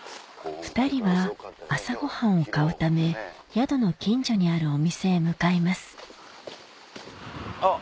２人は朝ごはんを買うため宿の近所にあるお店へ向かいますあっ。